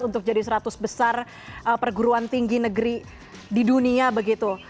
untuk jadi seratus besar perguruan tinggi negeri di dunia begitu